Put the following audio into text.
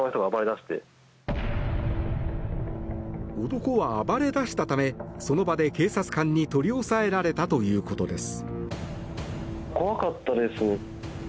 男は暴れだしたためその場で警察官に取り押さえられたということです。